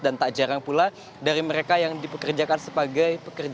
dan tak jarang pula dari mereka yang dipekerjakan sebagai pekerja seks komponen